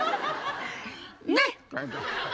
ねっ！